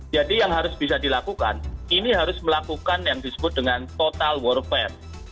yang harus bisa dilakukan ini harus melakukan yang disebut dengan total warfare